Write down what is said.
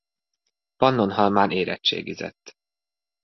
Pannonhalmán érettségizett.